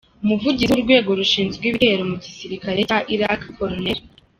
Umuvugizi w’urwego rushinzwe ibitero mu gisirikare cya Iraq, Col.